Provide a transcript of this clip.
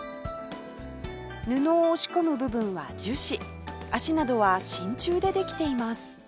布を押し込む部分は樹脂足などは真鍮でできています